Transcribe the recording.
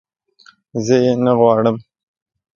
زه یې نه غواړم